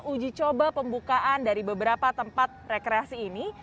uji coba pembukaan dari beberapa tempat rekreasi ini